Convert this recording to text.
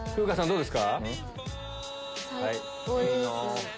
どうですか？